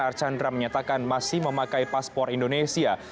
archandra menyatakan masih memakai paspor indonesia